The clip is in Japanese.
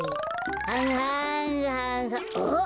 はんはんはんあっ！